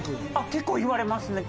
結構言われますね。